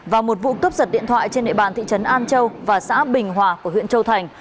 và một vụ cướp giật điện thoại trên địa bàn thị trấn an châu và xã bình hòa của huyện châu thành